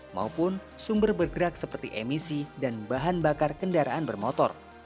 maupun sumber bergerak seperti emisi dan bahan bakar kendaraan bermotor